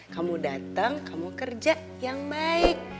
kamu datang kamu kerja yang baik